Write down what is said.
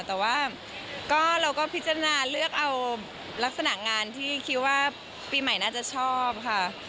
แต่ว่าเราก็พิจารณาเลือกเอาลักษณะงานที่คิดว่าปีใหม่น่าจะชอบค่ะ